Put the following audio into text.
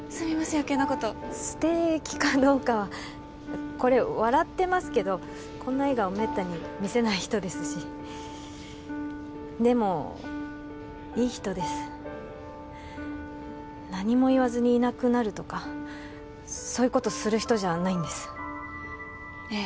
余計なこと素敵かどうかはこれ笑ってますけどこんな笑顔めったに見せない人ですしでもいい人です何も言わずにいなくなるとかそういうことする人じゃないんですええ